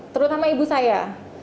terutama ibu saya